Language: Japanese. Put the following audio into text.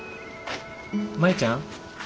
舞ちゃん。